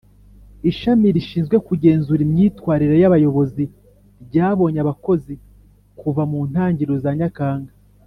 Ishami rishinzwe kugenzura imyitwarire y abayobozi ryabonye abakozi kuva mu ntangiriro za nyakanga